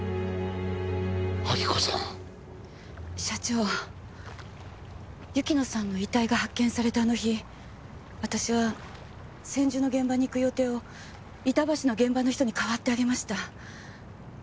社長雪乃さんの遺体が発見されたあの日私は千住の現場に行く予定を板橋の現場の人に代わってあげました。